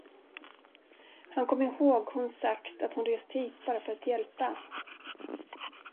Han kom ihåg hon sagt, att hon rest hit bara för att hjälpa.